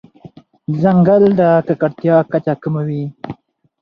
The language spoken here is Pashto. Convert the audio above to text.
ځنګل د ککړتیا کچه کموي.